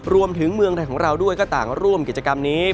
เมืองไทยของเราด้วยก็ต่างร่วมกิจกรรมนี้